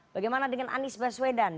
bagaimana dengan anies baswedan